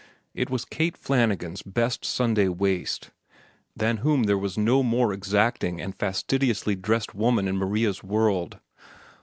It was Kate Flanagan's best Sunday waist, than whom there was no more exacting and fastidiously dressed woman in Maria's world.